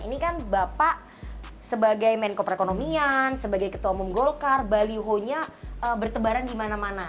ini kan bapak sebagai menko perekonomian sebagai ketua umum golkar balihonya bertebaran di mana mana